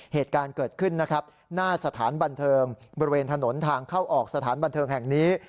เหตุการณ์เกิดขึ้นนะครับหน้าสถานบันเทิงบริเวณถนนทางเข้าออกสถานบันเทิงแห่งนี้